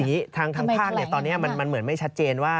คืออย่างนี้ทางทางภาครังตอนนี้